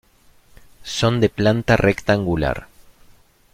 Son de planta rectangular.